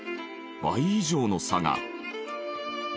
倍以上の差が。